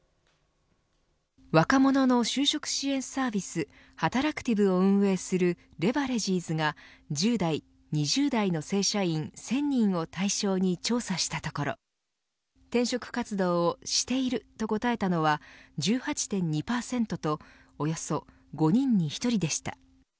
若者の就職支援サービスハタラクティブを運営するレバレジーズが１０代、２０代の正社員１０００人を対象に調査したところ転職活動をしていると答えたのは１８．２％とおよそ５人に１人でした。